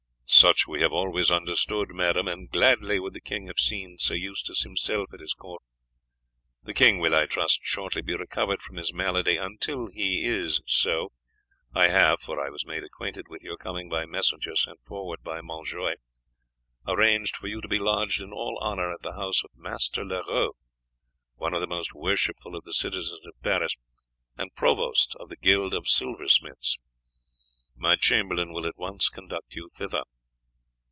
] "Such we have always understood, madam, and gladly would the king have seen Sir Eustace himself at his court. The king will, I trust, shortly be recovered from his malady; until he is so I have for I was made acquainted with your coming by messenger sent forward by Monjoie arranged for you to be lodged in all honour at the house of Master Leroux, one of the most worshipful of the citizens of Paris, and provost of the guild of silversmiths. My chamberlain will at once conduct you thither."